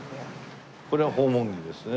これは訪問着ですね。